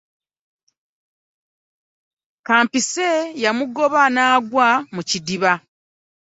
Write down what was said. Kimpanze yamugoba n'agwa mu kidiba